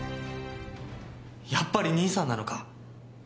やっぱり兄さんなのか。